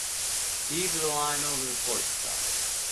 Heave the line over the port side.